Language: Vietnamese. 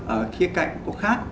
ở khía cạnh có khác